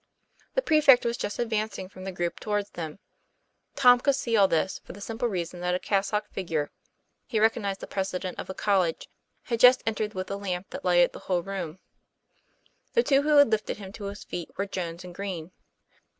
The prefect was just advancing from the group towards them. Tom could see all this, for the simple reason that a cas socked figure he recognized the President of the college had just entered with a lamp that lighted the whole room. The two who had lifted him to his feet were Jones and Green.